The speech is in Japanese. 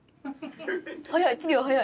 早い次は早い。